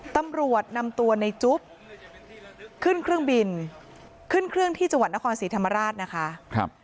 ตำรวจนำตัวในจุ๊บขึ้นเครื่องบินขึ้นเครื่องที่จังหวัดนครศรีธรรมราชนะคะ